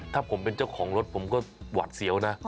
ถ้าผมเป็นเจ้าของรถผมก็หวาดเสียวนะ